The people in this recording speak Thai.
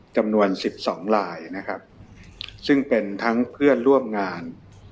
จำนวน๑๒ลายนะครับซึ่งเป็นทั้งเพื่อนร่วมงาน